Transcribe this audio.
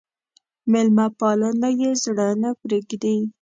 مېلمه پالنه يې زړه نه پرېږدي.